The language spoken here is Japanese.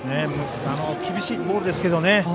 厳しいボールですけどね。